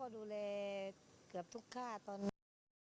ดูแลเกือบทุกค่าตอนนี้